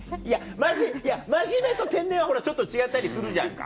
いや真面目と天然はほらちょっと違ったりするじゃんか。